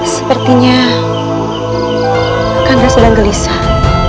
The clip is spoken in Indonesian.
sepertinya kanda sedang gelisah